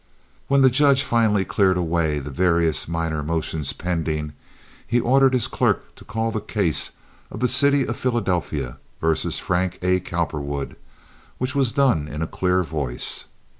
When the judge finally cleared away the various minor motions pending, he ordered his clerk to call the case of the City of Philadelphia versus Frank A. Cowperwood, which was done in a clear voice.